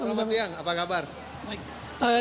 selamat siang apa kabar